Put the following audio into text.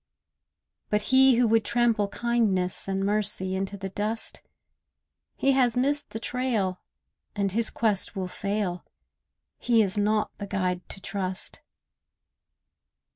But he who would trample kindness And mercy into the dust— He has missed the trail, and his quest will fail: He is not the guide to trust.